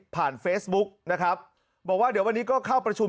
เฟซบุ๊กนะครับบอกว่าเดี๋ยววันนี้ก็เข้าประชุม